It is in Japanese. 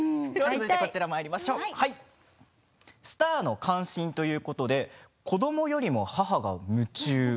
続いてスターの関心ということで子どもよりも母が夢中。